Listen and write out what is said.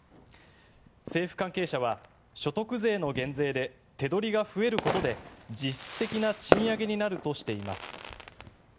政府関係者は所得税の減税で手取りが増えることで実質的な賃上げになるとしています。